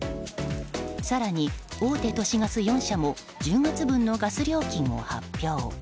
更に大手都市ガス４社も１０月分のガス料金を発表。